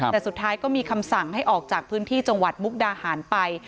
แต่สุดท้ายก็มีคำสั่งให้ออกจากพื้นที่จังหวัดมุกดาหารไป